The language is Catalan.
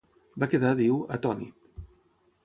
Va quedar, diu, "atònit".